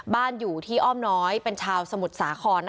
บ้านอยู่ที่อ้อมน้อยเป็นชาวสมุทรสาคร